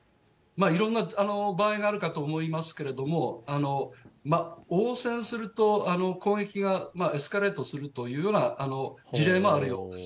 いろんな場合があるかと思いますけれども、応戦すると攻撃がエスカレートするというような事例もあるようです。